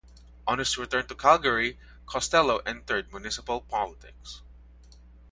On his return to Calgary, Costello entered municipal politics.